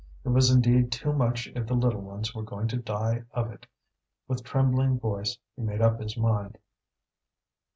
It was indeed too much if the little ones were going to die of it. With trembling voice he made up his mind.